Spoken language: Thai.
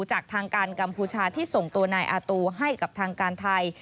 จากทางการกัมพูชาที่ส่งตัวนายอาตูให้กับทางการไทย